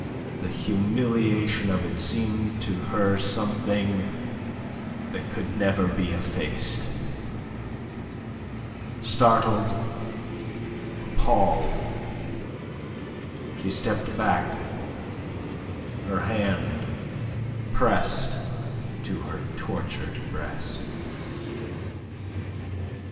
The humiliation of it seemed to her something that could never be effaced. Startled, appalled, she stepped back, her hand pressed to her tortured breast.